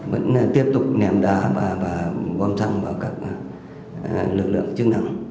vẫn tiếp tục ném đá và bom xăng vào các lực lượng chức năng